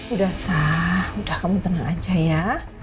udah sah udah kamu tenang aja ya